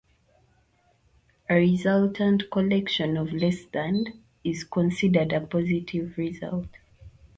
A resultant collection of less than is considered a positive result.